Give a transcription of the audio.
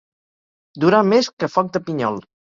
Durar més que foc de pinyol.